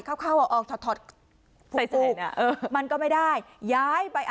เข้าเข้าเอาออกถอดถอดใส่ใส่ผูกมันก็ไม่ได้ย้ายไป